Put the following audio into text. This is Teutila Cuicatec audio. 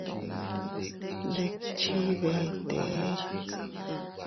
Ndikchi vetee.